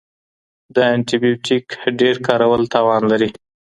د انټي بیوټیک ډیر کارول تاوان لري.